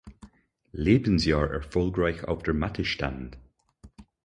Lebensjahr erfolgreich auf der Matte stand.